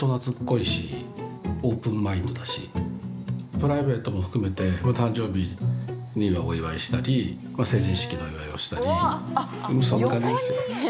プライベートも含めて誕生日にはお祝いしたり成人式のお祝いをしたりそんな感じですよ。